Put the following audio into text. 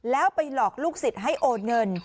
แล้วไปหลอกลูกศิษย์ให้โอนเงิน